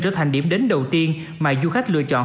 trở thành điểm đến đầu tiên mà du khách lựa chọn